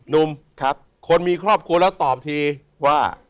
นุ่มครับคนมีครอบครัวแล้วตอบทีว่า